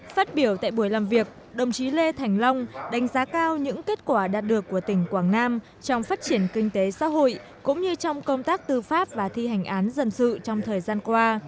phát biểu tại buổi làm việc đồng chí lê thành long đánh giá cao những kết quả đạt được của tỉnh quảng nam trong phát triển kinh tế xã hội cũng như trong công tác tư pháp và thi hành án dân sự trong thời gian qua